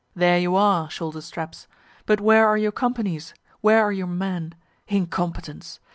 There you are, shoulder straps! but where are your companies? where are your men? Incompetents!